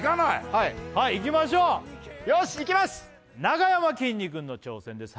はいはいいきましょうよしいきますなかやまきんに君の挑戦です